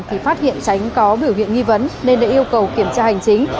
thì phát hiện tránh có biểu hiện nghi vấn nên đã yêu cầu kiểm tra hành chính